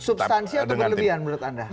substansi atau berlebihan menurut anda